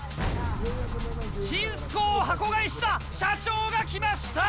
ちんすこうを箱買いした社長が来ました。